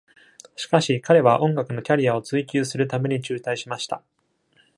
しかし、彼は音楽のキャリアを追求するために中退しました。